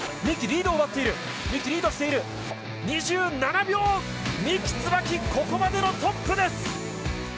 三木、リードを奪っている、三木リードしている２７秒、三木つばき、ここまでのトップです。